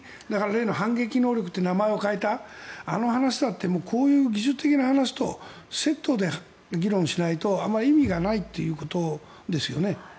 例の反撃能力と名前を変えたあの話だってこういう技術的な話とセットで議論しないとあんまり意味がないということですよね。